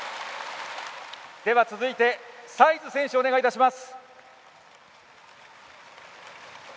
では、続いてサイズ選手お願いいたします。